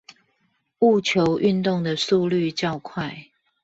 戊球運動的速率較快